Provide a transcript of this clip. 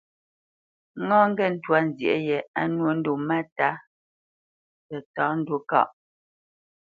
Ŋâ ŋgê ntwá nzyê yē á nwô ndo máta tətá ndǔ kâʼ.